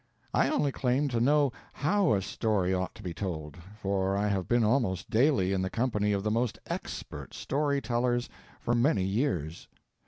I only claim to know how a story ought to be told, for I have been almost daily in the company of the most expert story tellers for many years.